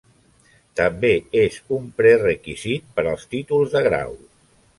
També és un prerequisit per als títols de grau.